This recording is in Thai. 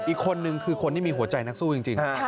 อีกคนนึงคือคนที่มีหัวใจนักสู้จริง